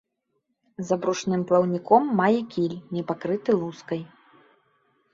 За брушным плаўніком мае кіль, не пакрыты лускай.